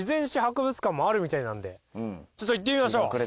ちょっと行ってみましょう。